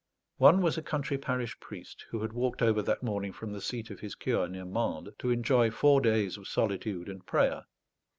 One was a country parish priest, who had walked over that morning from the seat of his cure near Mende to enjoy four days of solitude and prayer.